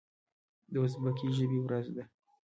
د ازبکي ژبې ورځ ده.